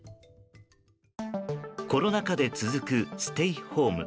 コロナ禍で続くステイホーム。